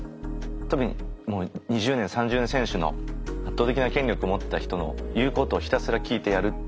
特に２０年３０年選手の圧倒的な権力を持った人の言うことをひたすら聞いてやる。